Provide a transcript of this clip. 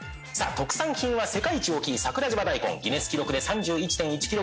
特産品は世界一大きい桜島大根ギネス記録で３１．１ｋｇ